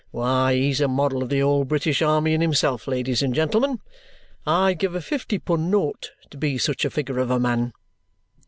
Why, he's a model of the whole British army in himself, ladies and gentlemen. I'd give a fifty pun' note to be such a figure of a man!"